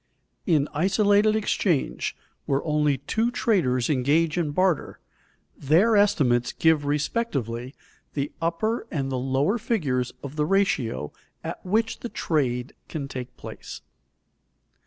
_In isolated exchange, where only two traders engage in barter, their estimates give respectively the upper and the lower figures of the ratio at which the trade can take place.